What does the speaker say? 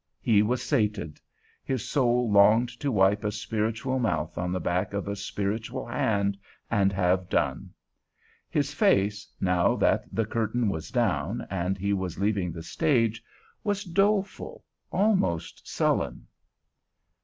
He was sated; his soul longed to wipe a spiritual mouth on the back of a spiritual hand, and have done. His face, now that the curtain was down and he was leaving the stage, was doleful, almost sullen.